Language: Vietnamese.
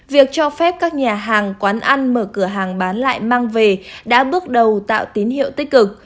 việc cho phép các nhà hàng quán ăn mở cửa hàng bán lại mang về đã bước đầu tạo tín hiệu tích cực